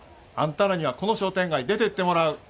あんたらにはこの商店街出てってもらう。